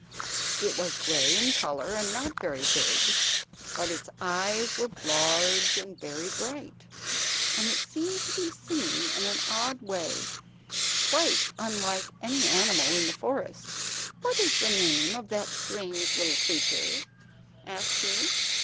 It was grey in colour, and not very big; but its eyes were large and very bright, and it seemed to be singing in an odd way, quite unlike any animal in the forest. "What is the name of that strange little creature?" asked he.